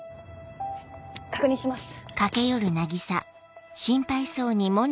確認します。